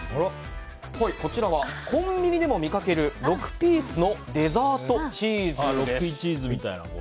こちらはコンビニでも見かける６ピースのデザートチーズです。